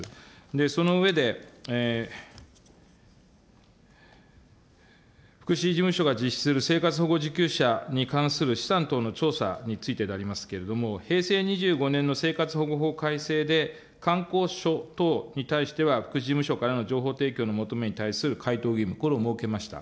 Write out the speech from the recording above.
その上で、福祉事務所が実施する生活保護受給者に関する資産等の調査についてでありますけれども、平成２５年の生活保護法改正で、等に対しては福祉事務所からの情報提供の求めに対する回答義務、これを設けました。